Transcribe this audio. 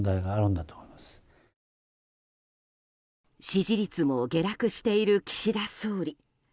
支持率も下落している岸田総理。